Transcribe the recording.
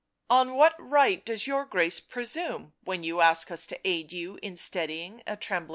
" On what right does your Grace presume when you ask us to aid you in steady ing a trembling throne